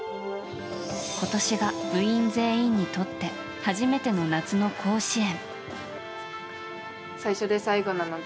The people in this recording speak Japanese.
今年が部員全員にとって初めての夏の甲子園。